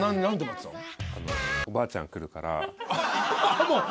おばあちゃん来るから。